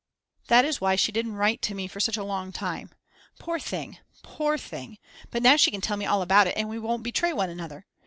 That is why she didn't write to me for such a long time. Poor thing, poor thing, but now she can tell me all about it and we won't betray one another.